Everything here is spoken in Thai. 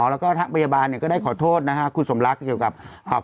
แล้วก็ทางพยาบาลเนี่ยก็ได้ขอโทษนะฮะคุณสมรักเกี่ยวกับอ่า